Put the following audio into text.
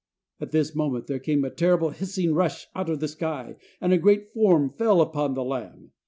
At this moment there came a terrible hissing rush out of the sky, and a great form fell upon the lamb.